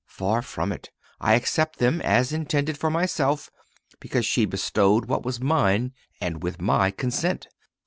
Far from it. I accept them as intended for myself, because she bestowed what was mine, and with my consent.